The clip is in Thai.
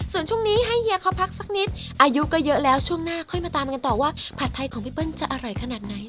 ส่วนช่วงนี้ให้เฮียเขาพักสักนิดอายุก็เยอะแล้วช่วงหน้าค่อยมาตามกันต่อว่าผัดไทยของพี่เปิ้ลจะอร่อยขนาดไหน